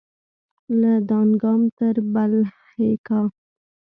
له دانګام تر بلهیکا